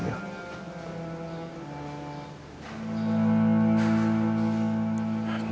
dan aku kesel